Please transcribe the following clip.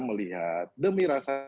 melihat demi rasa